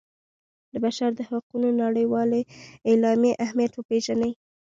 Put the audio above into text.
د بشر د حقونو نړیوالې اعلامیې اهمیت وپيژني.